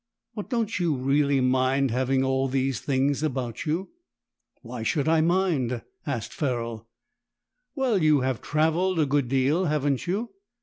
But don't you really mind having all these things about you?" "Why should I mind?" asked Ferrol. "Well, you have travelled a good deal, haven't you?"